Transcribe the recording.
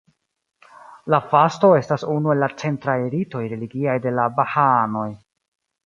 La Fasto estas unu el la centraj ritoj religiaj de la bahaanoj.